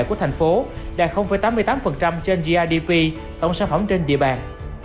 của thành phố đạt tám mươi tám trên grdp tổng sản phẩm trên địa bàn